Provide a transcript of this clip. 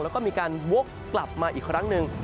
แล้วก็มีการวกกลับมาอีกครั้งหนึ่ง